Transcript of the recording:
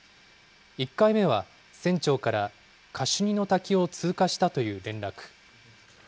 １回目は、船長からカシュニの滝を通過したという連絡。